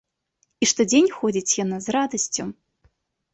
І штодзень ходзіць яна з радасцю.